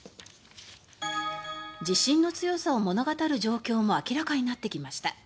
地震の強さを物語る状況も明らかになってきました。